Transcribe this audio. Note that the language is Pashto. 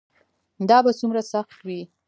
دا به څومره سخت وي.